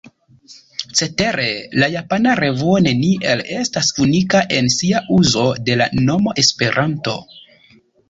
Cetere la japana revuo neniel estas unika en sia uzo de la nomo ”Esperanto”.